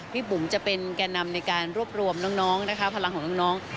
ผมจะเป็นแก่นำในการรวบรวมพลังของน้อง